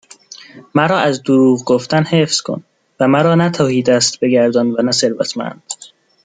مرا از دروغ گفتن حفظ کن و مرا نه تهیدست بگردان و نه ثروتمند